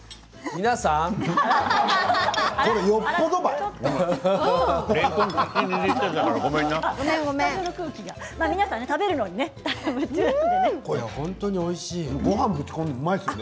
皆さん食べるのに夢中ですね。